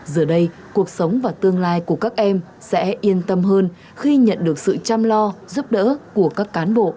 giờ đây cuộc sống và tương lai của các em sẽ yên tâm hơn khi nhận được sự chăm lo giúp đỡ của các cán bộ